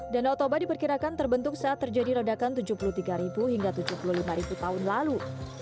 danau toba diperkirakan terbentuk saat terjadi ledakan tujuh puluh tiga hingga tujuh puluh lima tahun lalu